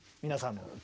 皆さんも。